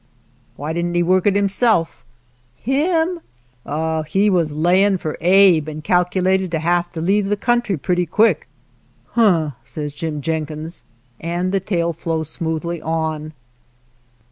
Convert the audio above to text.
" Why did n't he work it himself ?"" Him ? Oh, he was laying for Abe and calculated to have to leave the country pretty quick." " Huh !" says Jim Jenkins, and the tale flows smoothly on.